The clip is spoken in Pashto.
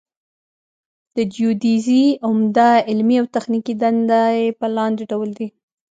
د جیودیزي عمده علمي او تخنیکي دندې په لاندې ډول دي